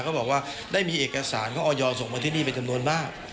ก็บอกว่าได้มีเอกสารของออยส่งมาที่นี่เป็นจำนวนมาก